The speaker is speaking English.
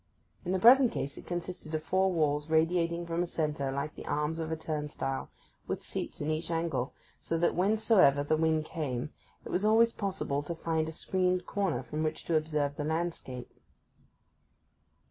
In the present case it consisted of four walls radiating from a centre like the arms of a turnstile, with seats in each angle, so that whencesoever the wind came, it was always possible to find a screened corner from which to observe the landscape.